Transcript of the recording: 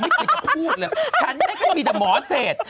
ใครจะพูดเลยฉันไม่ค่อยมีแต่หมอเศษ